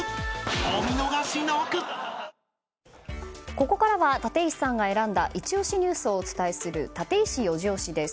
ここからは立石さんが選んだイチ押しニュースをお伝えするタテイシ４時推しです。